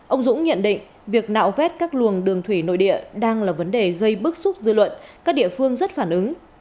ông dũng nhận định việc nạo vét các luồng đường thủy nội địa đang là vấn đề gây bức xúc dư luận các địa phương rất phản ứng